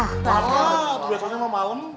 tuh dia tau nya mau malem